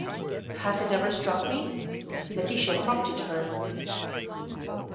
"Has it never struck me ...?" Laetitia prompted her.